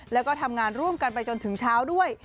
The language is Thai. แล้วก็ทำงานร่วมกันไปจนถึงเช้าด้วย